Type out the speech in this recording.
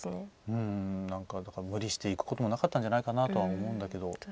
無理して行くこともなかったんじゃないかなとは思うんだけど。